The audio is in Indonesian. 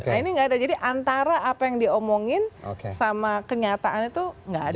nah ini nggak ada jadi antara apa yang diomongin sama kenyataan itu nggak ada